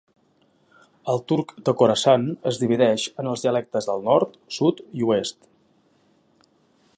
El turc de Khorasan es divideix en els dialectes del nord, sud i oest.